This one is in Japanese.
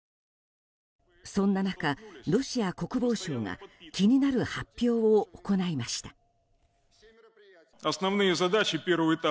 そんな中、ロシア国防省が気になる発表を行いました。